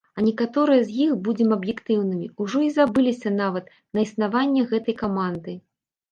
А некаторыя з іх, будзем аб'ектыўнымі, ужо і забыліся, нават, на існаванне гэтай каманды.